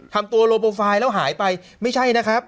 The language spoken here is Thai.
ทำตัวโลโปรไฟล์แล้วหายไปไม่ใช่นะครับ